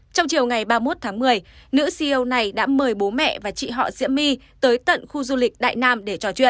trong chiều ngày ba mươi một tháng một mươi nữ ceo này đã mời bố mẹ và chị họ diễm my tới tận khu du lịch đại nam để trò chuyện